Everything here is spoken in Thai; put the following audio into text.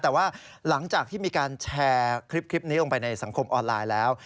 แต่ว่าหลังจากที่มีการแชร์คลิปนี้ลงไปในสังคมออนไลน์แล้ว